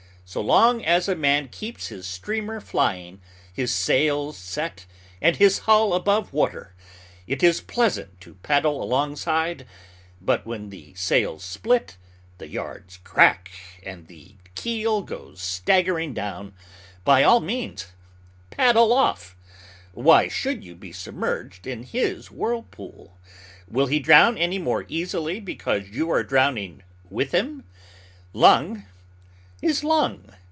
So long as a man keeps his streamer flying, his sails set, and his hull above water, it is pleasant to paddle alongside; but when the sails split, the yards crack, and the keel goes staggering down, by all means paddle off. Why should you be submerged in his whirlpool? Will he drown any more easily because you are drowning with him? Lung is lung.